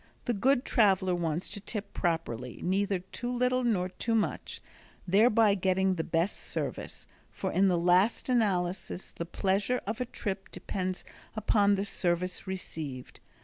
The good traveler wants to tip properly, neither too little nor too much, thereby getting the best service, for in the last analysis the pleasure of a trip depends upon the service received.